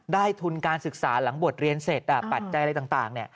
ทุนการศึกษาหลังบทเรียนเสร็จปัจจัยอะไรต่าง